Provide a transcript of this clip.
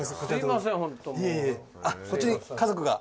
こっちに家族が。